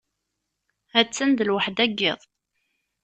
Ha-tt-an d lweḥda n yiḍ.